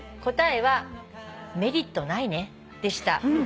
「答えはメリットないねでした」